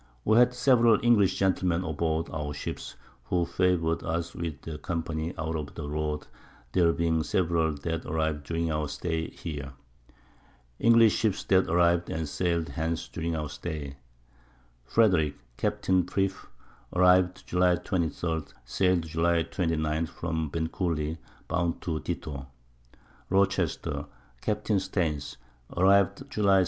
We had several English Gentlemen a board our Ships, who favour'd us with their Company out of the Road, there being several that arriv'd during our Stay here. English Ships that arriv'd and sail'd hence during our Stay. Frederick, Capt. Phrip, arriv'd June 23. sail'd July 29. from Bencouli, bound to ditto. Rochester, Capt. Stains, arriv'd _July 6.